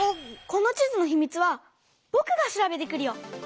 この地図のひみつはぼくが調べてくるよ！